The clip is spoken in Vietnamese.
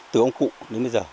từ ông cụ đến bây giờ